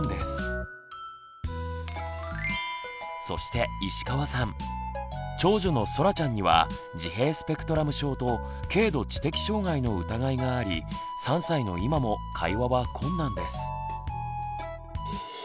そして長女のそらちゃんには自閉スペクトラム症と軽度知的障害の疑いがあり３歳の今も会話は困難です。